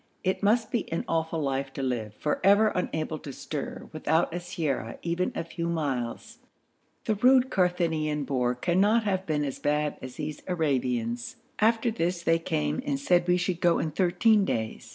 It must be an awful life to live for ever unable to stir without siyara even a few miles. The rude Carinthian Boor cannot have been as bad as these Arabians. After this they came and said we should go in thirteen days.